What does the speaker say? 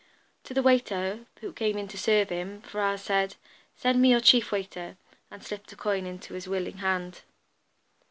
To the waiter, who came to serve him, Ferrars said: "Send me your chief waiter," and slipped a coin into his willing hand.